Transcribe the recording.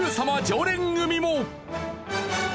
常連組も。